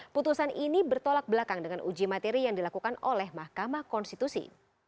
putusan ini bertolak belakang dengan uji materi yang dilakukan oleh mahkamah konstitusi